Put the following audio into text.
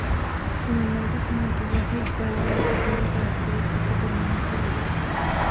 Sin embargo, su maquillaje, el cual era su sello característico, permaneció igual.